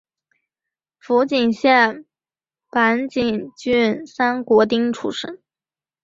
福井县坂井郡三国町出身。